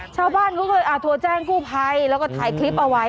ชาวบ้านก็เคยอาธัวร์แจ้งคู่ภัยแล้วก็ถ่ายคลิปเอาไว้